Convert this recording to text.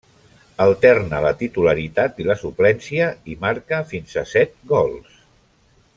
Alterna la titularitat i la suplència i marca fins a set gols.